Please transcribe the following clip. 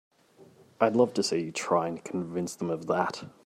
I'd love to see you try and convince them of that!